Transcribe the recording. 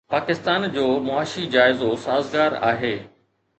پاڪستان جو معاشي جائزو سازگار آهي